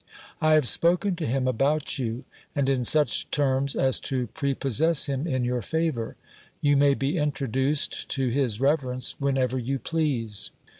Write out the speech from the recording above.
I have spoken to him about you, and in such terms as to prepossess him in your favour. You may be introduced to his reverence whenever you please.